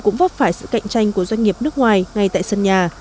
giúp phải sự cạnh tranh của doanh nghiệp nước ngoài ngay tại sân nhà